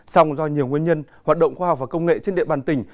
song do nhiều nguyên nhân hoạt động khoa học và công nghệ trên địa bàn tỉnh